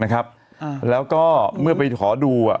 นะครับแล้วก็เมื่อไปขอดูอ่ะ